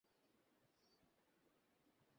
কোন জাদু নয়।